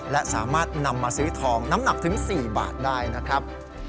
และสามารถนำมาซื้อทองน้ำหนักถึง๔บาทได้นะครับ